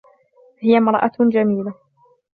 هي امراة جميلة.